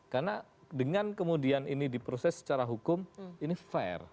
karena dengan kemudian ini diproses secara hukum ini fair